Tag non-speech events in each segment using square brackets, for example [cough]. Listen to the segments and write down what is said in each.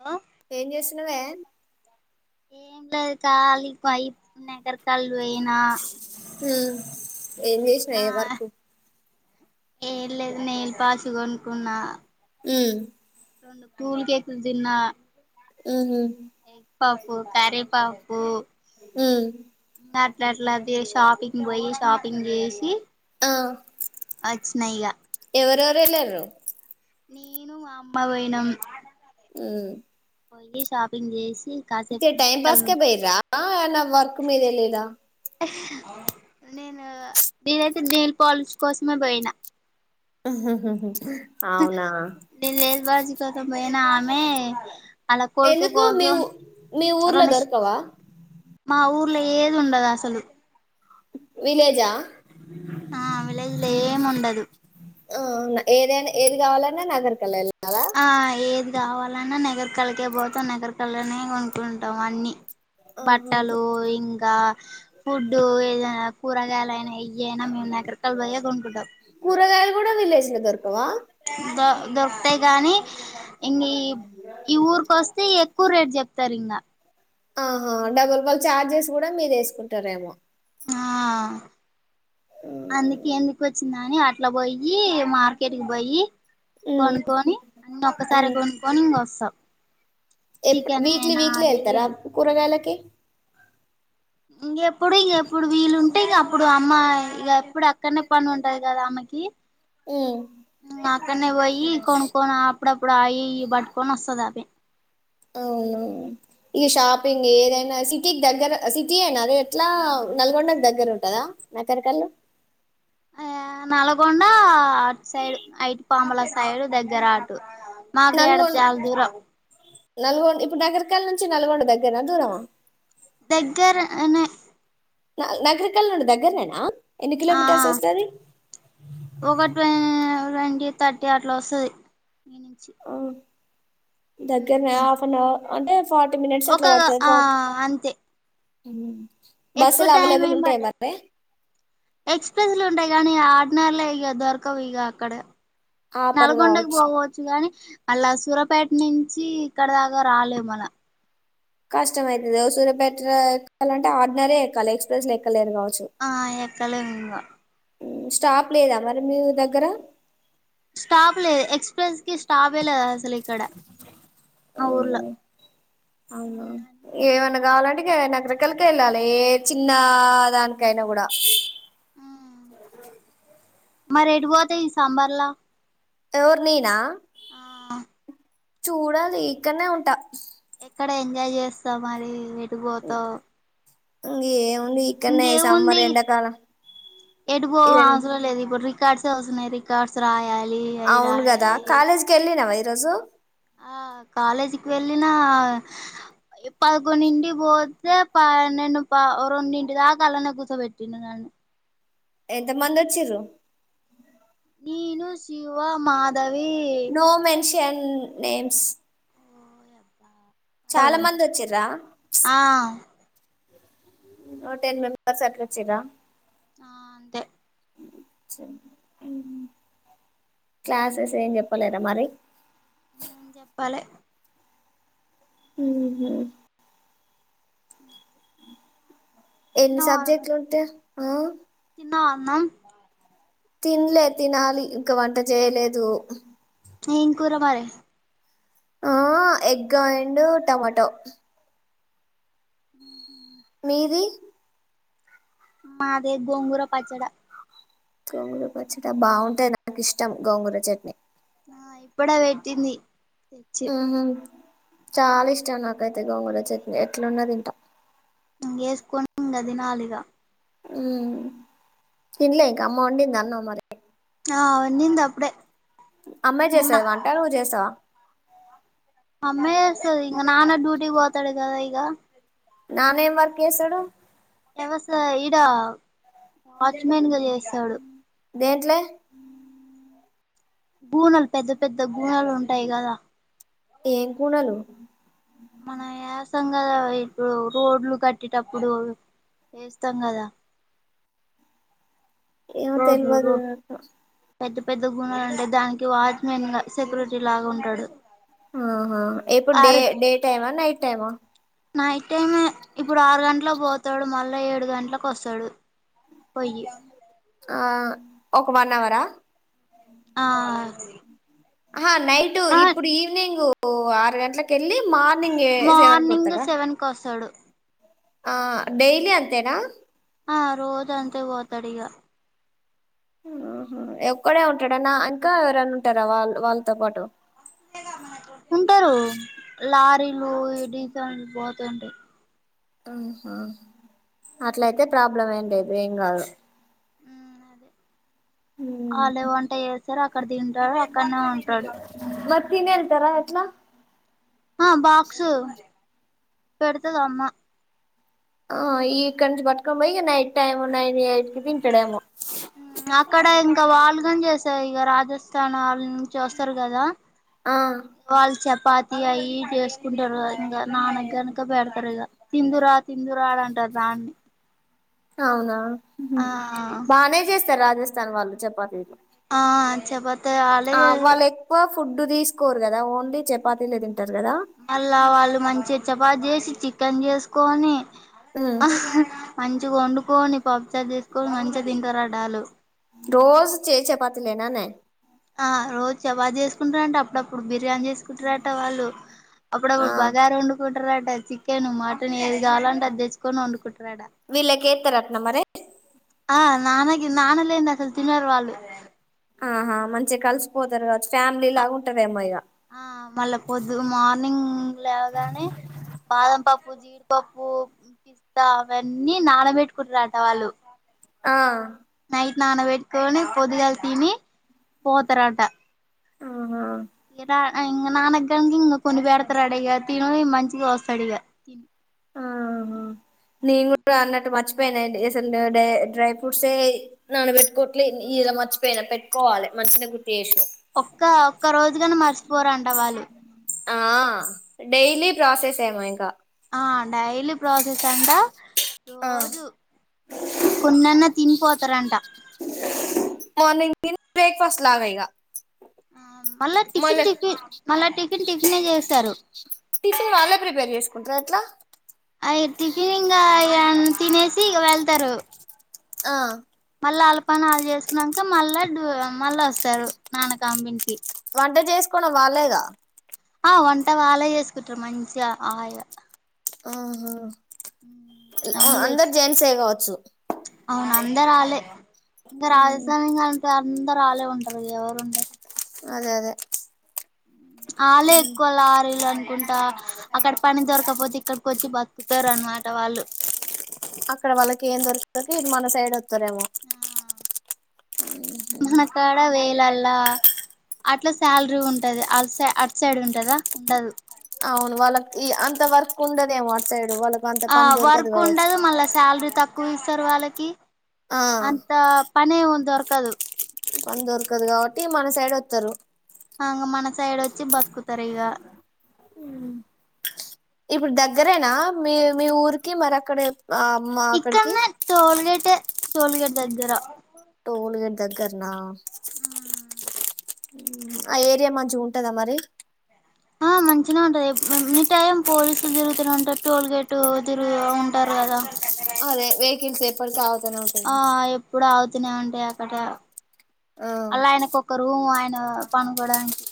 హ ఏం చేసినవే ఏం లేదు ఖాళీ [unintelligible] నగర్ కెళ్ళి పోయిన హ్మ్ ఏం చేసినా ఏ వర్క్ ఏం లేదు నెయిల్ పాలిష్ కొనుకున్నా హ్మ్ రెండు కూల్ కేకులు తిన్న ఉహు ఏ పఫ్ కర్రీ పఫ్ హ్మ్ అ అట్లాది షాపింగ్ పోయి షాపింగ్ చేసి ఆ వచ్చినా ఇగ ఎవరెవరు ఎల్లేరు నేను మా అమ్మ పోయినాం హ్మ్ పోయి షాపింగ్ చేసి కాసేపు గా టైమ్ పాస్ నగరకళ కే బోయిరా ఏమన్నా వర్క్ మీద ఎలిరా నేను నేనైతే నెయిల్ పాలిష్ కోసమే బోయినా ఆహాహహ డిలే బా తు పోయినా ఆమె అలా కొడుకు ఎందుకు మీఊ కోసం మీ ఊర్లో దొరకవా ల ఏదు ఉండదు అసలు విలేజా ఆ విలేజ్ల ఏముండదు ఆ ఏదనా ఏది కావాలన్నా నగర్ కలాల ఆ ఏది కావాలన్నా నకిరేకల్కే పోతాం నకిరేకల్నే కొనుకుంటాం అన్ని ఆహా బట్టలు ఇంకా ఫుడ్డు ఏదైనా కూరగాయలయినా ఇయ అనా మేము దగ్గర కళ పోయయా కొనుక్కుంటాం కూరగాయలు కూడా విలేకజ్ల దోరూకవ ధో దొరుకుతాయి కాగానీ ఇం ఈ ఊరికొస్తే ఎక్కువ రేట్ చెప్తారు ఇకా ఆహా డబుల్ బల్ చార్జెస్ కూడా మీరు వేసుకుంటారేమో ఆ అందుకి ఎందుకు వచ్చింది కాని అట్లా పోయి మార్కెట్కి పోయి కొనుక్కొని అ ఒక్కసారి కొనుక్కొని ఇంగోస్తాం ఎప్ వీక్లీ వీక్లీ అవి ఇవి వెళ్తారా అన్ కూరగాయలకి [inaudible] ఇంకెప్పుడు ఇంకెప్పుడు వీలుుంటే ఇంక అప్పుడు అమ్మ ఇక ఎప్పుడు అక్కడనే పని ఉంటది కదా అమ్మకి ఉమ్, మాకనే వయి కోన్ కోన్ అప్పుడప్పుడు అయి ఈవి పట్టుకొని వస్తుంది అవి అవున ఇక షాపిన్గ్ ఏదనాసి సిటీకి దగ్గర సిటీ ఎనా ఎట్లా నల్గొండకి దగ్గర ఉంటందా నకిరేకల్ ఆమె నల్గొండ అటు సైడ్ ఐటి పాంముల సైడు దగ్గర ఆటు మాకు ఎడ నల్గొండ చలా దూరం నల్గొండ ఇప్పుడు నకిరెకల్ నుంచి నల్గొండ దగ్గరనా దూరం దగ్గర నే నా నకిరెకల్ దగ్గర నేనా ఎన్ని ఆ కిలోమీటర్స్ వస్తది ఒక ట్వ ట్వంటీ థర్టీ అట్లా వస్తది [inaudible] దగ్గరనే హాఫ్ న్అవర్ అంటే [inaudible] మినిట్స్ ఒకగా ఆ అంతే అ ఎక్కువ టైం ఏం పట్టదు ఎక్స్ప్రెస్లు ఉంటాయి కానీ ఆ పట్నాల ఈగ డోర్కాకవ్ ఈగ ఆక్కడ ఆపర్ నల్గొండకి కావచ్చు పోవచ్చు గాని అల్లా సురపేట నుంచి ఇక్కడ దాకా రాలేదు మన కష్టం అవుతుంది సూర్యపేట ఎక్కాలంటే ఆర్డినరే ఎక్కాలి ఎక్స్ప్రెస్ లో ఎక్కలేరు - - ఆ ఎక్కలేమ్ ఇంకా స్టాప్ లేదా మరి మీ దగ్గర స్టాప్ లేదు ఎక్స్ప్రెస్ కి స్టాప్ లేదు అసలు ఇక్కడ ఆ ఊర్లో అవును ఏమన్నా పోవాలి కావాలంటేనకర చక్కలకి వెళ్ళాలి చిన్న దానికైనా కూడా మ రేటు పోతాయి సాంబార్లా ఎవరు నేనా ఆ చూడ ఈకన్న ఉంట ఇక్కడ ఎంజాయ్ చేస్తా మరి ఇతో ఇే ఇంకేముంది ఎటుకో అవసరం లేదు ఇప్పుడు రికార్డ్స్స రికార్డ్స్ రాయాలి అవి అవున్ గదా రాయాలి కాలేజ్కి ఎల్లినవ రజు ఆ కాలేజీకి వెళ్ళిన పదకొడింటి పోతే ప నేను ప రెండింటి దాకా అలానే కూర్చోబెట్టిన నన్నను ఎంత మంది వచ్చారు నీను శివ మాధవి ఎల్ నేమ్స్ అలా చాలా పోయింది మంది వచ్చ్రా ఆ టెన్ మెంబర్స్ హత్ర వచ్చిరా ఆ అంతే క్లాసెస్ ఏం చెప్పలేద మరి నేం చెప్పాలి హ ఎన్ని తిన్నావా సబ్జెక్ట్లు ఉంటాయా ఆ అన్న తినలే తినాలి ఇంకా వంట చేయలేదు న ఇంకూర మార ఆ ఎగ్ అండ్ టమాటో ఉ మీది మాదే గోంగూర పచ్చడా గోంగూర పచ్చడి బాగుంటాయి నాకు ఇష్టం గోంగూర చట్నీ ఆ ఇప్పుడా పెటింది చాలా ఇష్టం నాకైతే గోంగూర చట్నీ ఎట్లన్న తింట ఇ వేసుకోని ఇకా దినాలిగా ఉ తినలే ఇంకా అమ్మ వండిందా అన్నం మరి ఆ వండింది అప్పుడే అమ్మే ఇంగ చేస్తాదా నా వంటా నువ్వు చేస్తావా అమ్మేస్త ఇంకా నాన్న డ్యూటీ పోతాడు కదా ఇగ నాన్న ఏం వర్క్ చేస్తాడు వ్యవస ఇడ వాచ్మెన్ గా చేస్తాడు దేంట్లో బూనలు పెద్ద పెద్ద గూనలు ఉంటాయి కదా ఏం కూనలు మనం ఎస్తాం కదా ఇప్పుడు రోడ్లు కట్టేటప్పుడు వేస్తాం కదా ఏమో రోడ్లు తెలివదు రో పెద్ద పెద్ద గునలు ఉంటాయి దానికి వాచ్మెన్ గా సెక్యూరిటీ లాగా ఉంటాడు ఆహ ఇప్పుడు డే ఆరు డే టైమా నైట్ టైమా న్తెట్ టైమ్ ఎ ఇప్పుడు ఆరు గంటలకు పోతాడు మళ్ళా ఏడు గంటలకు వస్తాడు పోయ్యి ఆ ఒక వన్ అవరా అఆ ఆ నైట్ ఇప్పుడు ఈవనింగ్ ఓ ఆరు గంటలకి ఎళ్లి మార్నింగ్ ఎ సెవెన్ కు మార్నింగ్ వత్తడా సెవెన్ కి వస్తాడు ఆ డైలీ అంతేనా ఆ రోజు అంతే పోతాడు ఇక ఆహా ఒక్కడే ఉంటాడాన ఇంకా ఎవరన్నా ఉంటారా వాళ్ళ వాళ్ళతో పాటు ఉంటారు లారీలు డీజల్ పో కొంటే ఆహా అట్ల అయితే ప్రాబ్లం ఏం లేదు ఏం కాదు ఉ అదే వళ్ళే వంటా చెసు సరే అక్కడ తింటాడ అక్కన్నే ఉంటాడు తని వెళ్తారా ఎట్లా ఆ బాక్స్ ఉ పెడుతాది అన్నాం ఓహొ ఇక్కడినించి బట్కొని బొయి night time nine eight tiffin కుడయమ అక్కడ ఇంకా వాళ్ళుగాని చేసారు ఇక రాజస్థాన్ వాళ్ళ నుంచి వస్తారు కదా ఆ పాతి అయి ఇయి చేసుకుంటారు ఇంకా నాన్నగ కనుక పెడతారు ఇక తిందురా తిందురాడ అంటారు దాన్ని అవునా ఉహు ఆ బానే చేస్త రాజస్థాన్ వాళ్ళు చెపాతీలు ఆ చెపాత్ ఆ వాళ్ళు ఎక్కువ ఫుడ్ తీసుకోరు కదా ఓన్లీ చపాతీలే తిం మళ్ళా వాళ్ళు మంచి చపా చేసి చిక్ క్కన్ చేసుకొని హ్మ్. మంచిగా వండుకోని పప్పుచార్ క్కువ మంచిగా తింటారడాలు రోజు చే చపాతి నేనానే ఆ రోజు చపాతి చేసుకుంటారంట అప్పుడప్పుడు బిర్ ర్యాన్ చేసుకుంటారట వాళ్ళు ఆ అప్పుడప్పుడు బగర్ వండుకుంటారట చికెన్ మటన్ ఏది కావాలంటే అది తెచ్చుకొని వండుకుం వీళ్ళ కేతారత్న మరి ఆ నాన్నగి నాన్నలేందసలు తినరు వాళ్ళు ఆహా మంచి కలిసిపోతారు కాచ్చ ఆ మళ్ళా పొద్దు మార్నింగ్ లేవగానే బాదం పప్ ప్పు జీడిపప్పు పిస్తా అవన్నీ నానబెట్టుకుంటారట వాళ్ళు ఆ నాన వెట్కొని పొద్దుగాల తిని పోతరాట ఆహా ఏదా ఆ ఇంకా నానగనికి ఇంక కొనిబెడతారాడిగా తిను మంచిగా వస్తాడు ఇగ ఆహహ నేను కూడా అన్నట్టు మర్చిపోయానే డేస్ అంతా డై డ్రై ఫ్రూట్స్ ఎ నానబెట్టుకోవట్లేదు ఈడ మర్చిపోయిన పెట్కోవాలి మంచినే గుర్ ఒక్క ఒక్క రోజుగానే మర్చిపోరంట వాళ్ళు ఆ డైలీ ప్రాసెస్ ఏమో ఇంకా ఆ డైలీ ప్రాసెస్ అంట ఆ రోజు కొన్నన్నా తినిపోతారంట మార్నింగ్ [inaudible] బ్రేక్ఫాస్ట్ లాగ ఇగ ఆ మళ్ళా మళ్ళ టిఫిన్ టిఫిన్ మళ్ళా టిఫిన్ టిఫిన్ ఎ చేస్తారు టిఫిన్ వాళ్ళే ప్రిపేర్ చేసుకుంటారా ఎట్లా అయి టిఫిన్ ఇంగా ఇగ తినేసి వెళ్తారు ఆ ళ్ళా ఆళ్లపని వాళ్ళు చేసుకున్నాక మళ్ళా డు మళ్ళా వస్తారు నానకంబింకి వంట చేసుకోడం వాళ్లేేగా ఆ వంట వాళ్లే చేసుకుంటారు మంచిగా హాయిగా ఆహా ఆ అన్ని తెచ్చు అందరు జెంట్స్ యే కావచ్చు అవును అందరు ఆల్లే ఇంగా రాజస్వామంగాని ఆళ్ళే ఉంటారు ఇగ ఎవరు ఉండరు. అదే అదే ఆళ్ళే ఎక్కువ లారీళ్లు అనుకుంటా. అక్కడ పని దొరకకపోతే ఇక్కడికి వచ్చి బతుకుతారు. అనమాట వాళ్ళు అక్కడ వాళ్ళకి ఏం దొరుకుతది. మన సైడ్ వత్ ఆహ్ మనకాడ వేల్ లలా అట్లా శాలరీ ఉంటది. అల్ సై అటు సైడ్ ఉంటదా ఉండదు. కుండదేమో అట్ సైడ్ వాళ్ళకి అంత ఆ పని దొరకదు వర్క్ కావచ్చు ఉండదు మళ్ళా. శాలరీ తక్కువ్ కు ఇస్తారు వాళ్ళకి. ఆ అంత పనే ఉన్ దొరకదు పని దొరకదు కాబట్టి మన సైడ్ వస్తారు. అంగ మన సైడ్ వచ్చి బతుకుతారు ఇగా ఉహ్ ఇప్పుడు దగ్గరేనా మీ మీ ఊరికి మరి అక్కడే ఆహ్ మా అక్కడికి ఇక్కడనే టోల్గేట్ టోల్గేట్ దగ్గర దగ్గర్న ఉహ్మ్ ఉహ్ ఆ ఏరియా మంచిగ ఉంటదా మరి ఆ మంచిన్నే ఉంటది. ఎనీ టైం పోలీసులు తిరుగుతూనే ఉంటారు టోల్ గేట్ తిరుగు ఉంటారు. కదా అదే వేకిల్స్ ఎపర్కి అగ్ ఆ ఎప్పుడు అగుత్ తున్నె ఉంటే అక్కడ ఆ అల్లా ఆయనకు ఒక రూమ్ ఆయన ఆహ్ పనుకోడానికి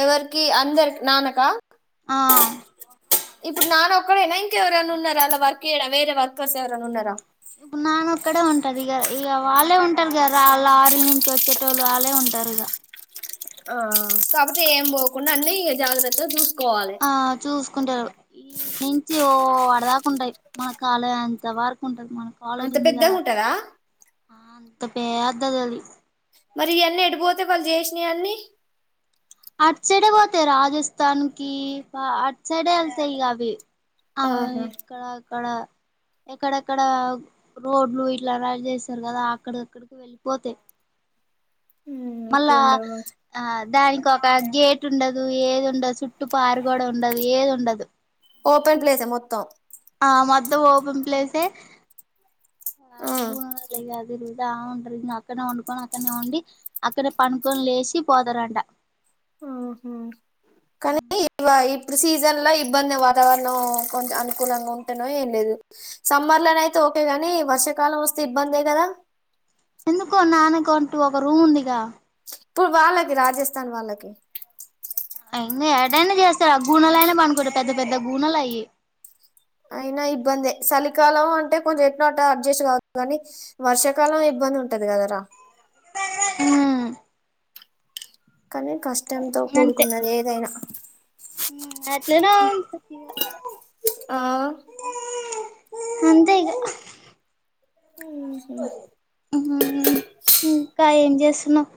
ఎవరికి అందరికి నానకా ఆహ్ ఇప్పుడు నాన ఒక్కడేనా ఇంకెవరైనా ఉన్నారా. అలా వర్క్ చేయడం వేరే వర్కర్స్ ఎవరైనా ఉన్నారా. ఇప్పుడు నాన్న ఒక్కడే ఉంటది. ఇగ ఇగ వాళ్ళే ఉంటారు. గాదా ళ్ళ లారీ నుంచి వచ్చేటోళ్ళు వాళ్ళే ఉంటారు ఇగా. ఆహ్ కాకపోతే ఏం పోకుండా అన్ని జాగ్రత్తగా చూస్ ఆహ్ చూస్ కుంటారు. ఈ నుంచి ఓ ఆడదాకుంటాయి మన కాలెజ్ అంత వరకు ఉంటది. మన అంత కాలేజ్ పెద్దగా ఉంటద. త పేద్దదది మరి ఇయన్నీ ఎటు పోతయి వాళ్ళు చేసినయి అన్నీ అటుసైడే పోతయి రాజస్థాన్ కి అటుసైడే ఎళ్తయి ఇగ అవి ఆ ఆహా ఇక్కడ అక్కడ ఎక్కడెక్కడ రోడ్లు ఇట్ల రాజేస్తరు కదా అక్కడికక్కడికి వెళ్ళిపోతై ఇక్కడ మళ్ళా ఉండవు ఆ దా కో ఒక గేట్ ఉండదు ఏది ఉండదు చుట్టూ పారు గోడ ఉండదు ఏదుండదు ఓపెన్ ప్లేసే మొత్తం ఆ మొత్తం ఓపెన్ ప్లేసే ఆ భుమోలిగ తిరు తా వుంటరు ఇంగ అక్కడ వండుకొని, అక్కడనే ఉండి, అక్కడ పండుకొని లేసి పోతరంట. ఆ హా కానీ [inaudible] ఇప్పుడు సీజన్ల ఇబ్బంది వాతావరణము కొంచం అనుకూలంగా ఉంటేనో ఏం లేదు. సమ్మర్ లోనైతే ఓకే గాని వర్షాకాలం వస్తే ఇబ్బందే కదా. ఎందుకు నాన్నకు అంటూ ఒక రూమ్ ఉందిగా? ఇప్పుడు వాళ్ళకి రాజస్థాన్ వాళ్ళకి ఇంగ ఏటైనా చేస్తరు ఆ గూనలయినా పండుకుంటరు పెద్ద పెద్ద గూనలు అయి అయిన ఇబ్బందే సలికాలం అంటే కొంచెం ఎట్నో అట్ట అడ్జస్ట్ కా [inaudible] కాని వర్షాకాలం ఇబ్బంది ఉంటది కదరా. హా కాని కష్టంతో అంతే కూడుకున్నది ఏదైనా. అట్లనే ఉంటది ఆ అంతే ఇగా ఊహు మ్మూ హ్మ్ కా ఏం చేస్తున్నవ్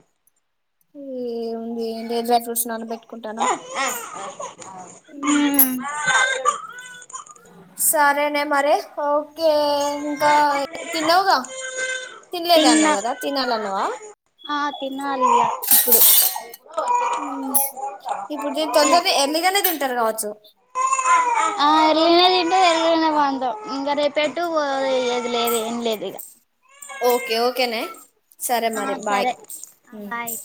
ఏ ఉంది ఏం లేదులే డ్రెస్ నాన్న పెట్టుకుంటానా మ్మూ సరేనే మరి ఓకే ఇంకా తిన్నవుగా తినలేదు తిన్నా అన్నావ్ కదా తినాలన్నావా? ఆ తినాలి ఇగ ఇప్పుడు మ్మ్ ఇప్పుడు దీని తొందరగా ఎర్లీగనే తింటరు కావొచ్చు ఆ ఎర్లిగనే తింటం ఎర్లిగనే పటం ఇంకా రేపేటు పోయే ది లేదు ఏం లేదు ఇగ ఓకే ఓకే నే సరే ఆ మరి బాయ్ సరే ఆ మ్ బాయ్